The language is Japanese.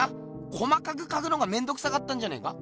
細かく描くのがめんどくさかったんじゃねえか？